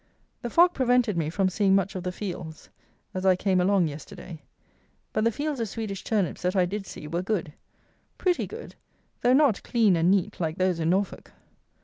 The fog prevented me from seeing much of the fields as I came along yesterday; but the fields of Swedish Turnips that I did see were good; pretty good; though not clean and neat like those in Norfolk.